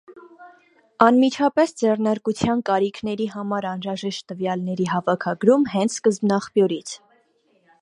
Անմիջապես ձեռնարկության կարիքների համար անհրաժեշտ տվյալների հավաքագրում հենց սկզբնաղբյուրից։